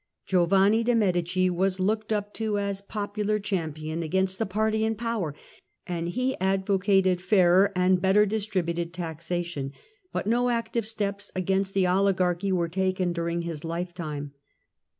Giovanni de' Medici was looked up to as popular champion against the party in power, and he advocated fairer and better distributed taxation, but no active steps against the ohgarchy were taken during his hfetime.